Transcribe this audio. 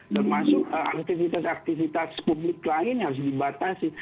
termasuk aktivitas aktivitas publik lain harus dibatasi